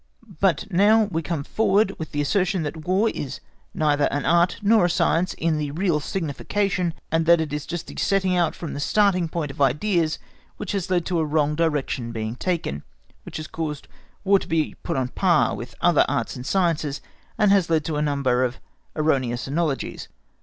But now we come forward with the assertion that War is neither an Art nor a Science in the real signification, and that it is just the setting out from that starting point of ideas which has led to a wrong direction being taken, which has caused War to be put on a par with other arts and sciences, and has led to a number of erroneous analogies.